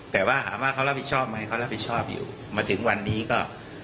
แต่ว่าถามว่าเขารับผิดชอบไหมเขารับผิดชอบอยู่มาถึงวันนี้ก็